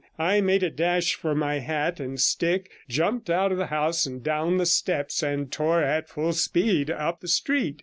I made a dash for my hat and stick, jumped out of the house and down the steps, and tore at full speed up the street.